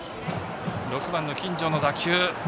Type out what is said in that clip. ６番の金城の打球。